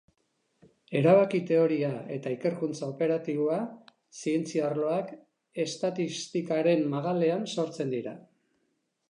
Erabaki-teoria eta ikerkuntza operatiboa zientzia arloak estatistikaren magalean sortzen dira.